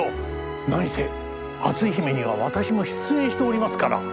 何せ「篤姫」には私も出演しておりますから！